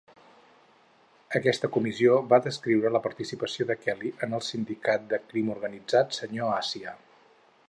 Aquesta comissió va descriure la participació de Kelly en el sindicat de crim organitzat senyor Àsia.